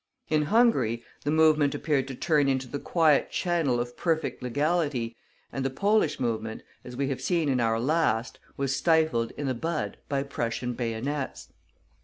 In Hungary the movement appeared to turn into the quiet channel of perfect legality, and the Polish movement, as we have seen in our last, was stifled in the bud by Prussian bayonets.